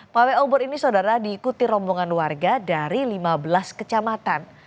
pawai obor ini saudara diikuti rombongan warga dari lima belas kecamatan